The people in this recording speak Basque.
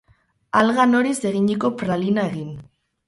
Alga noriz eginiko pralina egin.